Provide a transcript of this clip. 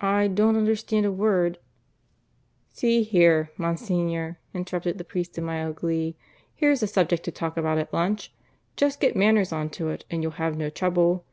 "I don't understand a word " "See here, Monsignor," interrupted the priest in mild glee, "here's a subject to talk about at lunch. Just get Manners on to it, and you'll have no trouble.